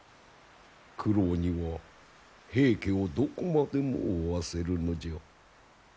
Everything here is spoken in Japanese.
九郎には平家をどこまでも追わせるのじゃ。